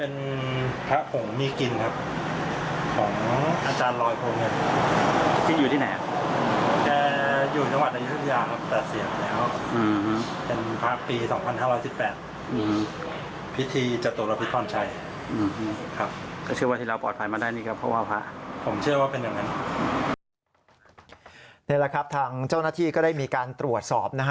นี่แหละครับทางเจ้าหน้าที่ก็ได้มีการตรวจสอบนะฮะ